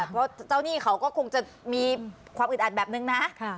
เพราะเจ้าหนี้เขาก็คงจะมีความอึดอัดแบบนึงนะ